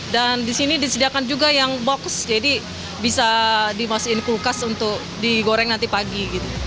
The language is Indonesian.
dan di sini disediakan juga yang box jadi bisa dimasukin ke kulkas untuk digoreng nanti pagi